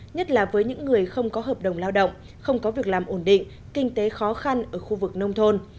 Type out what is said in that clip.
nhất là với những người không có hợp đồng lao động không có việc làm ổn định kinh tế khó khăn ở khu vực nông thôn